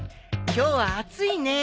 今日は暑いね。